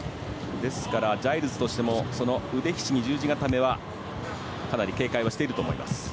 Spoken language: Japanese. ですから、ジャイルズとしても腕ひしぎ十字固めはかなり警戒をしていると思います。